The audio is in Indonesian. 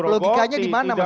logikanya dimana mas harif